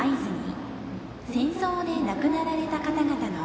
戦争で亡くなられた方の